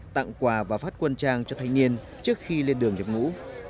tặng quà và phát quân trang cho thanh niên trước khi lên đường nhập ngũ